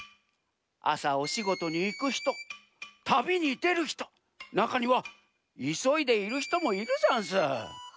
あさおしごとにいくひとたびにでるひとなかにはいそいでいるひともいるざんす。